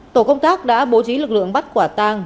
tổ công tác đã bố trí lực lượng bắt quả tang